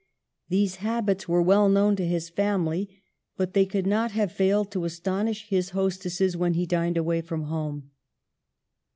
These habits were well known to his family, but they could not have failed to astonish his hostesses when he dined away from home.